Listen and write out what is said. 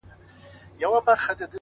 ښه عادتونه خاموشه پانګه ده؛